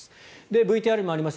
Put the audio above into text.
ＶＴＲにもありました